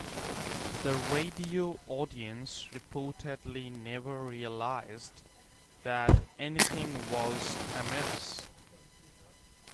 The radio audience reportedly never realized that anything was amiss.